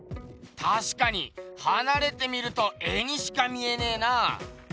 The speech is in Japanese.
たしかにはなれて見ると絵にしか見えねえな。